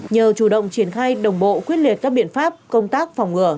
nhờ chủ động triển khai đồng bộ quyết liệt các biện pháp công tác phòng ngừa